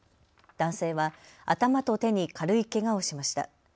男性は頭と手に軽いけがをしました。